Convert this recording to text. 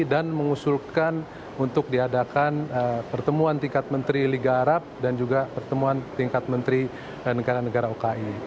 dan mengusulkan untuk diadakan pertemuan tingkat menteri liga arab dan juga pertemuan tingkat menteri negara negara oki